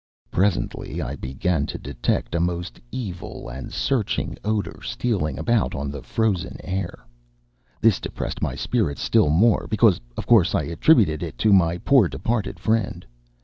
Presently I began to detect a most evil and searching odor stealing about on the frozen air. This depressed my spirits still more, because of course I attributed it to my poor departed friend.